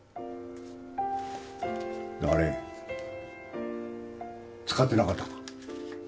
あれ使ってなかったのか？